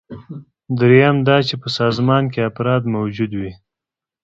دریم دا چې په سازمان کې افراد موجود وي.